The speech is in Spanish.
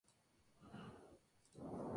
Su edad es milenaria.